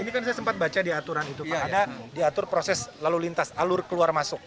ini kan saya sempat baca di aturan itu pak ada diatur proses lalu lintas alur keluar masuk